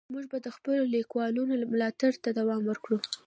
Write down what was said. موږ به د خپلو لیکوالانو ملاتړ ته دوام ورکوو.